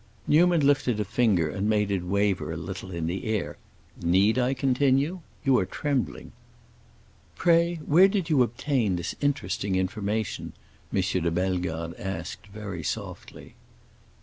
Newman lifted a finger and made it waver a little in the air. "Need I continue? You are trembling." "Pray where did you obtain this interesting information?" M. de Bellegarde asked, very softly.